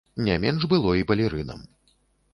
Не менш было і балерынам.